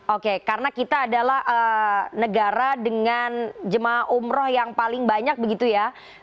oke karena kita adalah negara dengan jemaah umroh yang paling banyak begitu ya